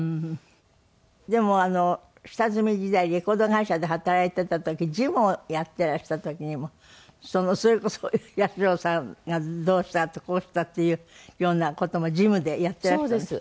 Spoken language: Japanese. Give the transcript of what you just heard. でも下積み時代レコード会社で働いてた時事務をやってらした時にもそれこそ八代さんがどうしたこうしたっていうような事も事務でやってらしたんですって？